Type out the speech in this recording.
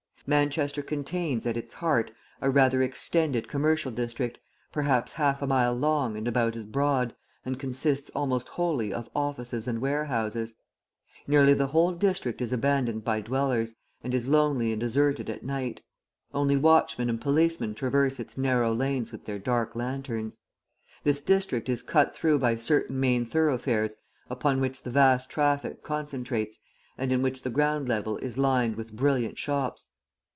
Manchester contains, at its heart, a rather extended commercial district, perhaps half a mile long and about as broad, and consisting almost wholly of offices and warehouses. Nearly the whole district is abandoned by dwellers, and is lonely and deserted at night; only watchmen and policemen traverse its narrow lanes with their dark lanterns. This district is cut through by certain main thoroughfares upon which the vast traffic concentrates, and in which the ground level is lined with brilliant shops.